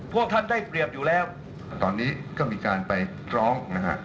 พวกท่านได้เปรียบอยู่แล้วตอนนี้ก็มีการไปร้องนะฮะ